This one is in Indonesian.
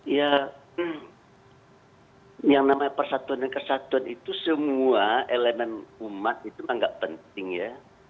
ya yang namanya persatuan dan kesatuan itu semua elemen umat itu kan nggak penting ya